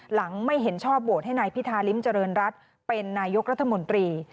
ไม่เห็นชอบโหวตให้นายพิธาริมเจริญรัฐเป็นนายกรัฐมนตรี